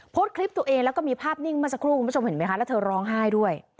โพสต์คลิปตัวเองแล้วก็มีภาพนิ่งเมื่อสักครู่คุณผู้ชมเห็นไหมคะแล้วเธอร้องไห้ด้วย